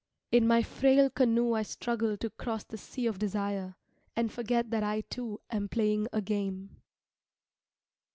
In my frail canoe I struggle to cross the sea of desire, and forget that I too am playing a game.